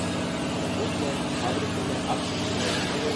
Заводвлӓ, фабрикывлӓ ак шӹкштеп.